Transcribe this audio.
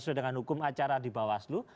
sesuai dengan hukum acara di bawaslu